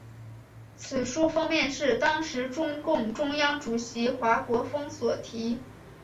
此书封面是当时中共中央主席华国锋所题。